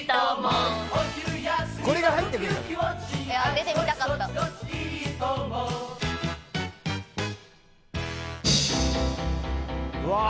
「出てみたかった」わあ。